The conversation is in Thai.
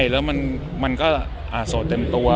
แล้วมันก็โสดเต็มตัว